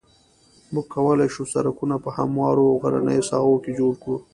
موږ کولای شو سرکونه په هموارو او غرنیو ساحو کې جوړ کړو